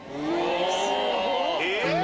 すごっ！